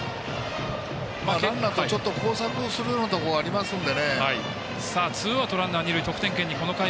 ランナーと工作するようなところがありますので。